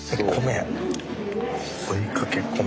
追いかけ米。